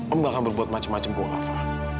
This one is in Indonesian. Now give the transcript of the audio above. om ga akan berbuat macem macem kok kava